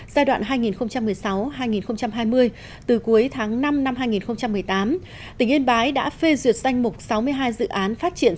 giai đoạn hai nghìn một mươi sáu hai nghìn hai mươi từ cuối tháng năm năm hai nghìn một mươi tám tỉnh yên bái đã phê duyệt danh mục sáu mươi hai dự án phát triển